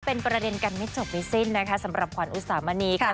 เป็นประเด็นกันไม่จบไม่สิ้นนะคะสำหรับขวัญอุสามณีค่ะ